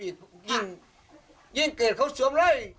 ไว้แก่แข่งผม